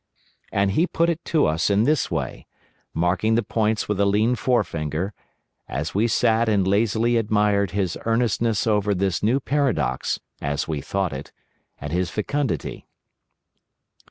And he put it to us in this way—marking the points with a lean forefinger—as we sat and lazily admired his earnestness over this new paradox (as we thought it) and his fecundity.